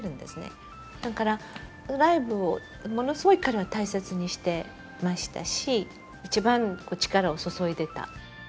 だからライブをものすごい彼は大切にしてましたし一番力を注いでた。